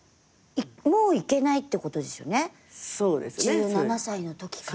１７歳のときから。